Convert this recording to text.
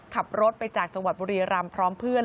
ขับรถไปจากจังหวัดบุรีรำพร้อมเพื่อน